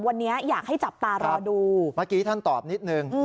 วันนี้อยากให้จับตารอดูเมื่อกี้ท่านตอบนิดนึง